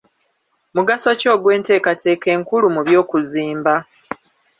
Mugaso ki ogw'enteekateeka enkulu mu by'okuzimba?